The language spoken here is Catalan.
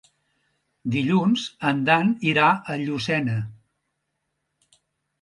Dilluns en Dan irà a Llucena.